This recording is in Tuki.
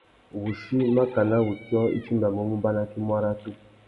Wuchí makana wutiō i timbamú mubanaki muaratu.